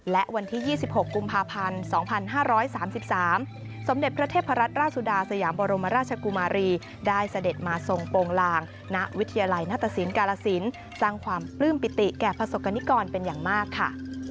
และวันที่๒๖กุมภาพันธ์๒๕๓๓สมเด็จพระเทพรัตนราชสุดาสยามบรมราชกุมารีได้เสด็จมาทรงโปรงลางณวิทยาลัยนัตตสินกาลสินสร้างความปลื้มปิติแก่ประสบกรณิกรเป็นอย่างมากค่ะ